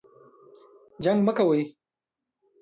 جنګ مه کوئ